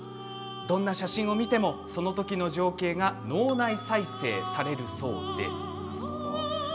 どの写真を見てもその時の情景が脳内再生されるそうで。